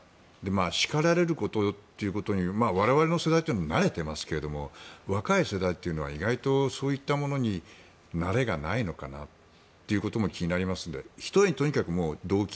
叱られるということに我々の世代は慣れていますが若い世代というのは意外とそういったものに慣れがないのかなということも気になりますのでひとえに動機